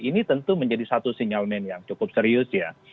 ini tentu menjadi satu sinyalmen yang cukup serius ya